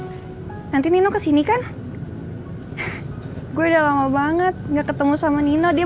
udah lama berbicara sama kamu nanti nino kesini kan gue udah lama berbicara sama kamu banget nggak ketemu sama nino dia